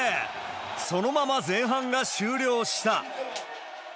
そのまま前半が終了した。